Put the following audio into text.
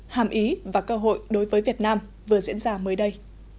hàm ý và cơ hội đối với việt nam vừa diễn ra mới đây